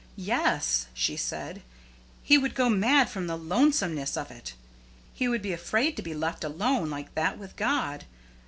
"Yes," she said; "he would go mad from the lonesomeness of it. He would be afraid to be left alone like that with God.